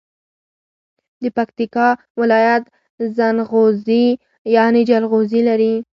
د پکیتکا ولایت زنغوزي یعنی جلغوزي لري.